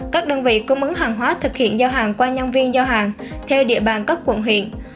các đơn vị cung ứng hàng hóa thực hiện giao hàng qua nhân viên giao hàng theo địa bàn các quận huyện